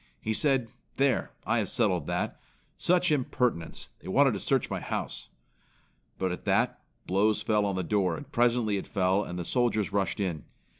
He said, 'There, I have settled that! Such impertinence! They wanted to search my house!' "But at that, blows fell on the door and presently it fell and the soldiers rushed in.